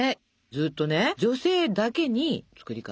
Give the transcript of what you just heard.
ずっとね女性だけに作り方を。